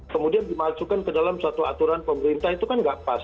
kemudian dimasukkan ke dalam satu aturan pemerintah itu kan nggak pas